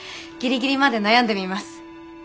ギリギリまで悩んでみます。